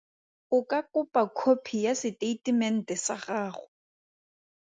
O ka kopa khopi ya setatamente sa gago.